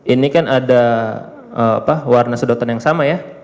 ini kan ada warna sedotan yang sama ya